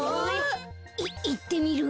いいってみる？